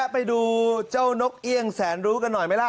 ไปดูเจ้านกเอี่ยงแสนรู้กันหน่อยไหมล่ะ